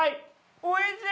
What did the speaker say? おいしい！